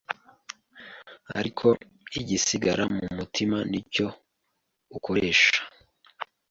ariko igisigara mu mutima n’icyo ukoresha